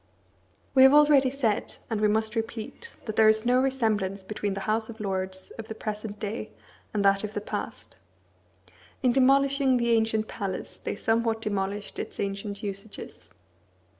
We have already said, and we must repeat, that there is no resemblance between the House of Lords of the present day and that of the past. In demolishing the ancient palace they somewhat demolished its ancient usages.